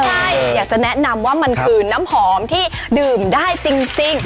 ใช่อยากจะแนะนำว่ามันคือน้ำหอมที่ดื่มได้จริง